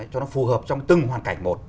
cho nó phù hợp trong từng hoàn cảnh một